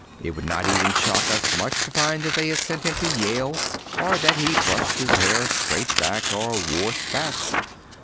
It would not even shock us much to find that they had sent him to Yale or that he brushed his hair straight back or wore spats.